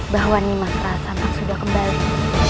bahwa nimas rasanto sudah kembali